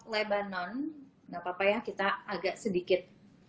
lebanon enggak papa ya kita agak sedikit